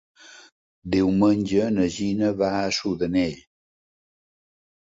Diumenge na Gina va a Sudanell.